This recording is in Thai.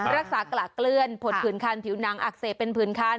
รักษากระเกลื้อนผลผืนคันผิวหนังอักเสบเป็นผื่นคัน